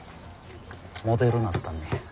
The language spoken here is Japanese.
モデルなったんねや。